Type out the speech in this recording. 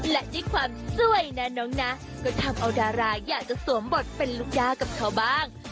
และด้วยความสวยนะน้องนะก็ทำเอาดาราอยากจะสวมบทเป็นลูกด้ากับเขาบ้าง